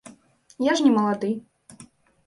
Я ж не малады!